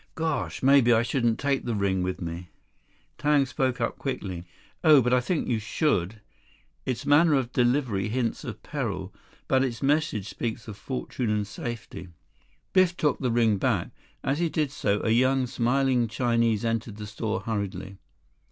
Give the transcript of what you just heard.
"Gosh. Maybe I shouldn't take the ring with me." 17 Tang spoke up quickly. "Oh, but I think you should. Its manner of delivery hints of peril. But its message speaks of fortune and safety." Biff took the ring back. As he did so, a young, smiling Chinese entered the store hurriedly.